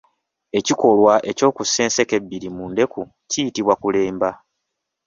Ekikolwa ekyokussa enseke ebbiri mu ndeku kiyitibwa kulemba.